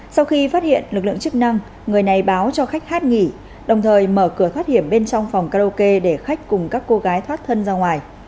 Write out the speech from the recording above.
sau khi phát hiện lực lượng chức năng người này báo cho khách hát nghỉ đồng thời mở cửa thoát hiểm bên trong phòng karaoke để khách cùng các cô gái thoát thân ra ngoài